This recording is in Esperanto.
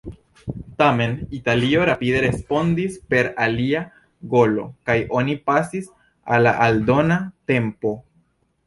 Tamen, Italio rapide respondis per alia golo, kaj oni pasis al la aldona tempo.